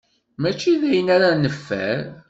Mačči d ayen ara neffer.